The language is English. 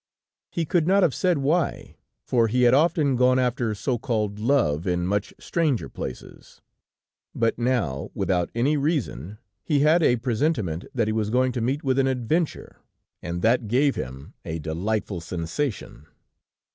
He could not have said why, for he had often gone after so called love in much stranger places; but now, without any reason, he had a presentiment that he was going to meet with an adventure, and that gave him a delightful sensation.